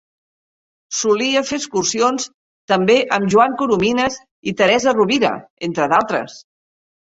Solia fer excursions també amb Joan Coromines i Teresa Rovira, entre altres.